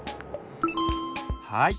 はい。